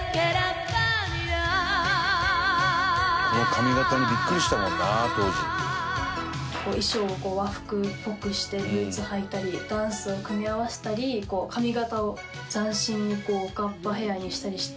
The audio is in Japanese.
「この髪形にビックリしたもんな当時」衣装を和服っぽくしてブーツを履いたりダンスを組み合わせたり髪形を斬新におかっぱヘアにしたりして。